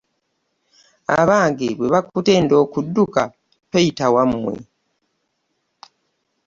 Abange bwebakutenda okuduuka toyitta wamwe.